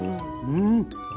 うん。